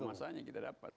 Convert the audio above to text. emang udah masanya kita dapat